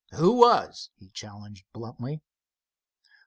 "Who was?" he challenged, bluntly.